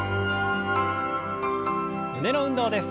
胸の運動です。